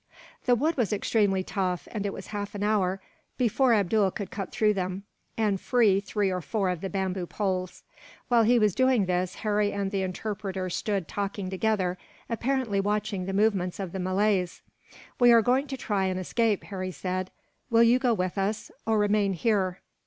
The wood was extremely tough, and it was half an hour before Abdool could cut through them, and free three or four of the bamboo poles. While he was doing this, Harry and the interpreter stood talking together, apparently watching the movements of the Malays. "We are going to try and escape," Harry said. "Will you go with us, or remain here?